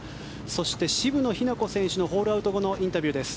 そして渋野日向子選手のホールアウト後のインタビューです。